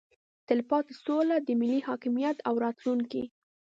تلپاتې سوله د ملي حاکمیت او راتلونکي